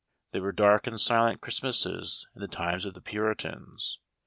There were dark and silent Christmases in the times of the Puritans.